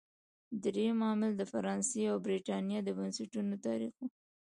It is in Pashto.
درېیم عامل د فرانسې او برېټانیا د بنسټونو تاریخ و.